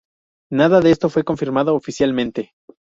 Nada de esto fue confirmado oficialmente.